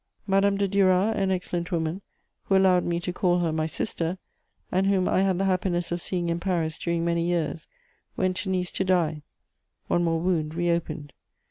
Madame de Duras, an excellent woman, who allowed me to call her my sister, and whom I had the happiness of seeing in Paris during many years, went to Nice to die: one more wound re opened.